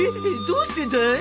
どうしてだい？